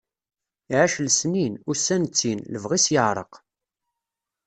Iɛac lesnin, ussan ttin, lebɣi-s yeɛreq.